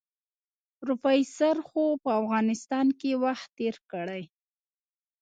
پروفيسر خو په افغانستان کې وخت تېر کړی.